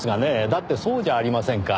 だってそうじゃありませんか。